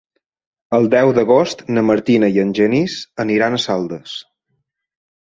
El deu d'agost na Martina i en Genís aniran a Saldes.